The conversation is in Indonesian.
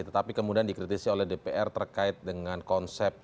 tetapi kemudian dikritisi oleh dpr terkait dengan konsep